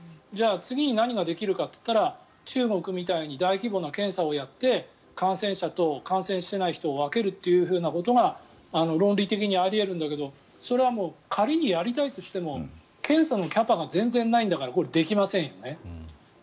じゃあ次に何ができるかといったら中国みたいに大規模な検査をやって感染者と感染していない人を分けるということが論理的にあり得るんだけどそれは仮にやりたいとしても検査のキャパが全然ないんだからこれはできませんよね。